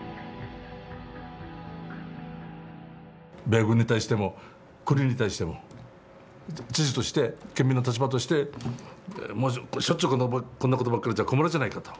米軍に対しても国に対しても知事として県民の立場としてしょっちゅうこんなことばっかりじゃ困るじゃないかと。